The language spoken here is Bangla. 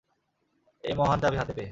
এই মহান চাবি হাতে পেয়ে।